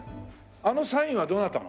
あのサインはどなたの？